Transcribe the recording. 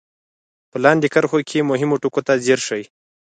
په لاندې کرښو کې مهمو ټکو ته ځير شئ.